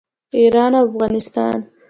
ایران او افغانستان.